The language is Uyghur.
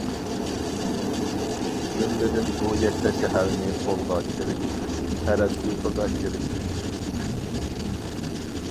جۈملىدىن بۇ يەتتە شەھەرنى قولغا كىرگۈزۈش تەرەددۇتىغا كىرىشتى.